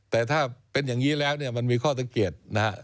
แต่ถ้าเป็นอย่างนี้แล้วมันมีข้อสังเกต